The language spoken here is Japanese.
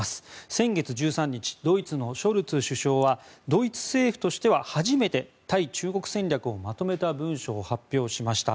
先月１３日ドイツのショルツ首相はドイツ政府としては初めて対中戦略をまとめた文書を発表しました。